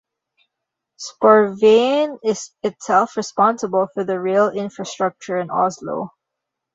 Sporveien is itself responsible for the rail infrastructure in Oslo.